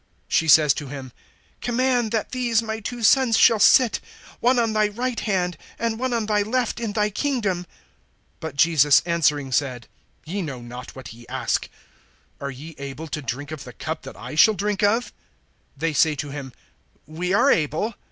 She says to him: Command that these my two sons shall sit, one on thy right hand, and one on thy left, in thy kingdom. (22)But Jesus answering said: Ye know not what ye ask. Are ye able to drink of the cup that I shall drink of? They say to him: We are able.